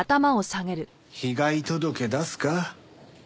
被害届出すか？